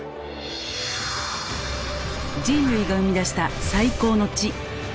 人類が生み出した最高の知。